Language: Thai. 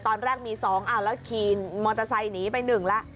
ตอนแรกมีสองอ้าวแล้วคีนมอเตอร์ไซต์นี้ไปหนึ่งละ